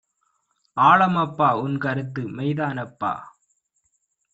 ஆழமப்பா உன்கருத்து, மெய்தானப்பா